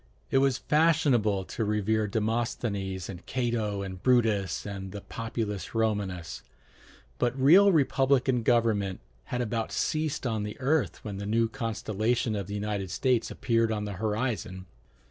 It was fashionable to revere Demosthenes and Cato and Brutus and the Populus Romanus; but real republican government had about ceased on the earth when the new constellation of the United States appeared on the horizon.